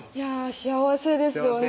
幸せですよね